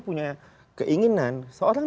punya keinginan seorang